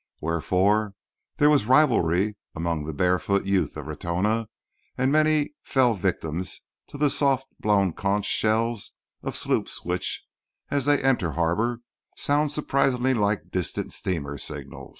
Wherefore, there was rivalry among the barefoot youth of Ratona, and many fell victims to the softly blown conch shells of sloops which, as they enter harbour, sound surprisingly like a distant steamer's signal.